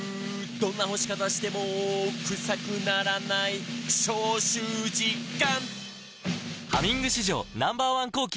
「どんな干し方してもクサくならない」「消臭実感！」